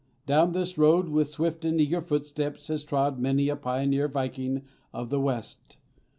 Down this road, with swift and eager footsteps, has trod many a pioneer viking of the West.